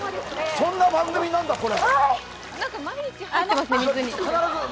そんな番組なんだ、これ。